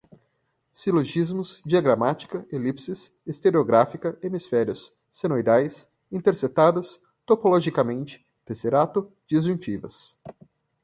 silogismos, diagramática, elipses, estereográfica, hemisférios, senoidais, intersetados, topologicamente, tesserato, disjuntivas